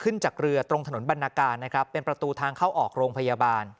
จากเรือตรงถนนบรรณการนะครับเป็นประตูทางเข้าออกโรงพยาบาล